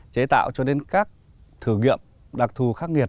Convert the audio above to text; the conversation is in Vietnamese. chế tạo cho đến các thử nghiệm đặc thù khắc nghiệt